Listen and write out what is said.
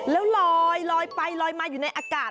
แล้วลอยไปลอยมาอยู่ในอากาศ